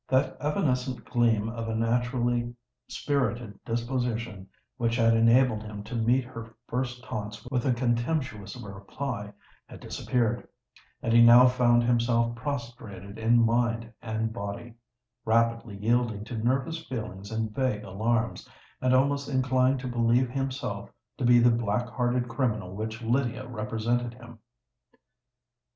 That evanescent gleam of a naturally spirited disposition which had enabled him to meet her first taunts with a contemptuous reply, had disappeared; and he now found himself prostrated in mind and body—rapidly yielding to nervous feelings and vague alarms—and almost inclined to believe himself to be the black hearted criminal which Lydia represented him.